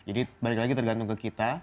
jadi balik lagi tergantung ke kita